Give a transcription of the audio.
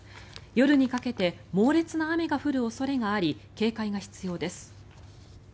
夜にかけて猛烈な雨が降る恐れがあり警戒が必要です。